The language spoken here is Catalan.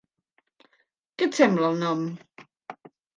Què et sembla, el nom?